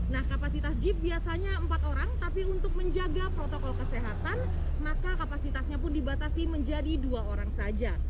nah kapasitas jeep biasanya empat orang tapi untuk menjaga protokol kesehatan maka kapasitasnya pun dibatasi menjadi dua orang saja